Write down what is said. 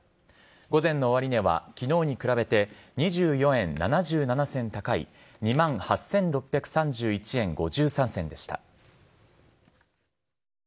午前の終値は昨日に比べて２４円７７銭高い２万８６３１円５３銭でした。